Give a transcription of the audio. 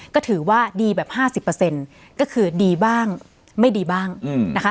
ก็ถือว่าดีแบบห้าสิบเปอร์เซ็นต์ก็คือดีบ้างไม่ดีบ้างอืมนะคะ